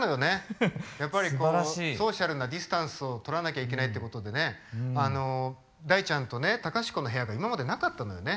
やっぱりソーシャルなディスタンスをとらなきゃいけないっていうことでね大ちゃんとね隆子の部屋が今までなかったのよね。